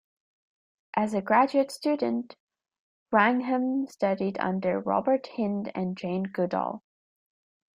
As a graduate student, Wrangham studied under Robert Hinde and Jane Goodall.